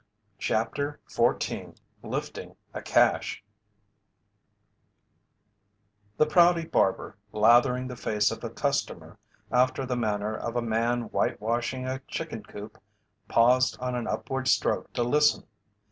CHAPTER XIV LIFTING A CACHE The Prouty barber lathering the face of a customer, after the manner of a man whitewashing a chicken coop, paused on an upward stroke to listen.